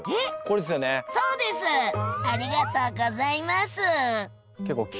ありがとうございます！